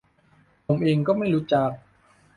ผมเองก็ไม่รู้จัก